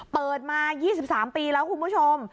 เปิดมา๒๓ปีแล้วคุณผู้ชม